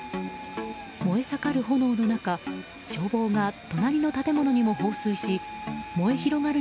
燃え盛る炎の中消防が隣の建物にも放水し燃え広がる